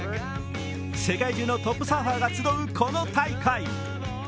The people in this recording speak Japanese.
世界中のトップサーファーが集うこの大会。